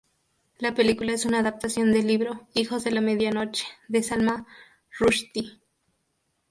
La película es una adaptación del libro "Hijos de la medianoche" de Salman Rushdie.